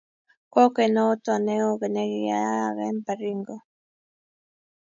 Kokwet noto neo nekiyayak eng Baringo